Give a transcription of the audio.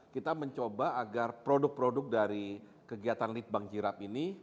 kita mencoba agar produk produk dari kegiatan lead bank jirap ini